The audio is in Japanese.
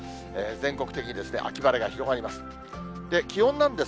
全国的に秋晴れが広がります。